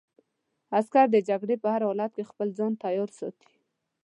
عسکر د جګړې په هر حالت کې خپل ځان تیار ساتي.